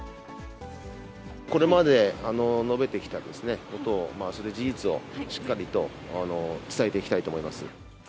これまで述べてきたことをそれ、事実をしっかりと伝えていきたいと思います。